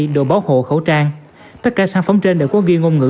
độ báo hộ khẩu trang tất cả sản phẩm trên đã có ghi ngôn ngữ